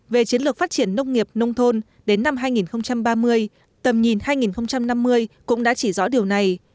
về chiến lược phát triển nông nghiệp nông thôn đến năm hai nghìn ba mươi tầm nhìn hai nghìn năm mươi cũng đã chỉ rõ điều này